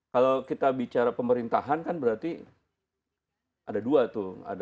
kalau kita bicara pemerintahan kan berarti ada dua tuh